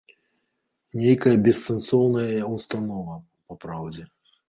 Нейкая бессэнсоўная ўстанова, папраўдзе.